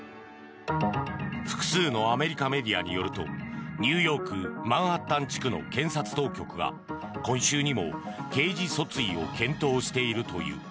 複数のアメリカメディアによるとニューヨーク・マンハッタン地区の検察当局が今週にも刑事訴追を検討しているという。